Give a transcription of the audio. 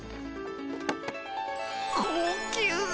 高級。